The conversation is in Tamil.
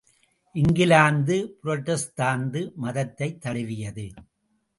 இங்கிலாந்து புரட்டஸ்தாந்து மதத்தைத் தழுவியது.